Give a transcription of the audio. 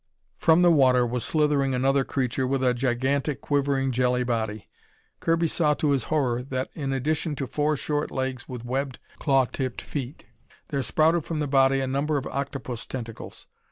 From the water was slithering another creature with a gigantic, quivering, jelly body. Kirby saw to his horror that, in addition to four short legs with webbed, claw tipped feet, there sprouted from the body a number of octopus tentacles.